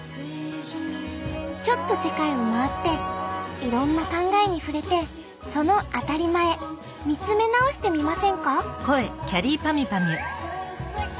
ちょっと世界を回っていろんな考えに触れてその当たり前見つめ直してみませんか？